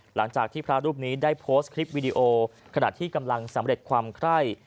หลังจากที่พระรูปนี้ได้โพสต์คลิปวิดีโอขณะที่กำลังสำเร็จความไคร่